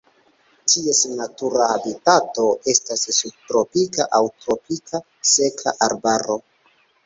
Ties natura habitato estas subtropika aŭ tropika seka arbaro.